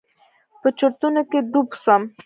په چورتونو کښې ډوب سوم.